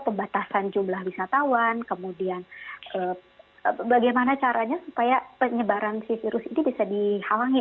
pembatasan jumlah wisatawan kemudian bagaimana caranya supaya penyebaran si virus ini bisa dihalangi